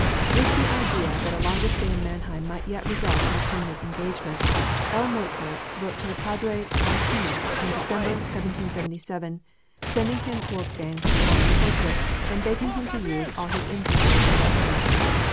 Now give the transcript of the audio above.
With the idea that a longer stay in Mannheim might yet result in a permanent engagement, L. Mozart wrote to the Padre Martini in December, 1777, sending him Wolfgang's promised portrait, and begging him to use all his influence with the Elector.